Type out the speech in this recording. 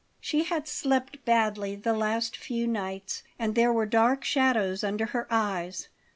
She had slept badly the last few nights, and there were dark shadows under her eyes.